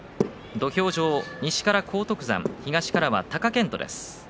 土俵は西から荒篤山東から貴健斗です。